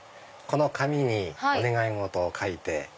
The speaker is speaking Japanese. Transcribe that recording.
この紙にお願い事を書いて。